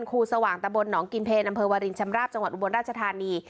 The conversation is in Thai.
ครูสว่างตะบลหนองกินเพลอำเภอวารินชำราบจังหวัดอุบลราชธานี